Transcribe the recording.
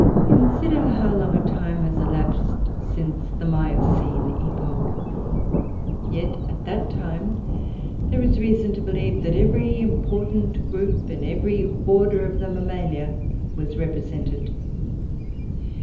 Consider how long a time has elapsed since the Miocene epoch. Yet, at that time there is reason to believe that every important group in every order of the Mammalia was represented.